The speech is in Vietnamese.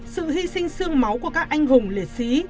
sự hy sinh sương máu của các anh hùng liệt sĩ